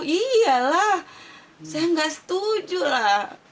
iya lah saya nggak setuju lah